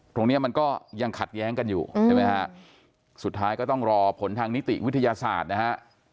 ตรงนี้มันก็ยังขัดแย้งกันอยู่ใช่ไหมฮะสุดท้ายก็ต้องรอผลทางนิติวิทยาศาสตร์นะฮะ